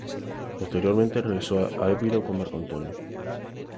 Posteriormente regresó a Epiro con Marco Antonio.